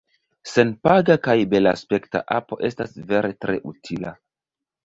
Senpaga kaj belaspekta apo estas vere tre utila.